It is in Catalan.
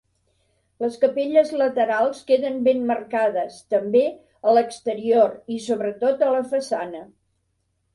Les capelles laterals queden ben marcades, també, a l'exterior i sobretot a la façana.